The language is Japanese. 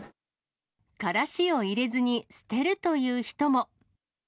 カラシを入れずに捨てるという人も。